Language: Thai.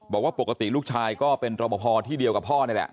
บอกว่าปกติลูกชายก็เป็นรอปภที่เดียวกับพ่อนี่แหละ